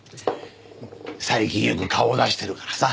最近よく顔を出してるからさ。